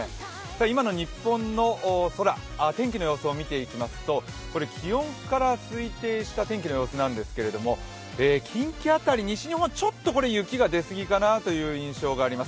今の日本の空、天気の様子を見ていきますと気温から推定した天気の様子なんですけれども、近畿辺り、西日本、ちょっとこれは雪が出すぎかなという印象があります。